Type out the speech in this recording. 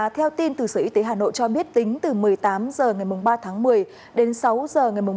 theo tin từ sở y tế hà nội cho biết tính từ một mươi tám h ngày ba tháng một mươi đến sáu h ngày một mươi